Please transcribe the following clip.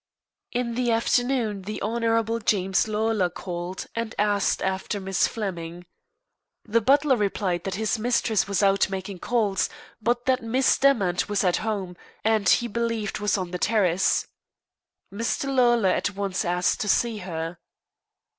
In the afternoon the Hon. James Lawlor called and asked after Miss Flemming. The butler replied that his mistress was out making calls, but that Miss Demant was at home, and he believed was on the terrace. Mr. Lawlor at once asked to see her.